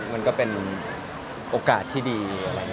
มันก็เป็นโอกาสที่ดี